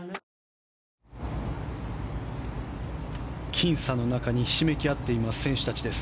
僅差の中にひしめき合っている選手たちです。